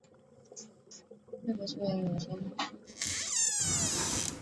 特别出演友情出演友情客串